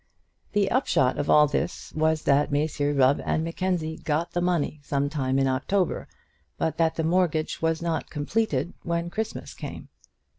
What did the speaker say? The upshot of all this was that Messrs Rubb and Mackenzie got the money some time in October, but that the mortgage was not completed when Christmas came.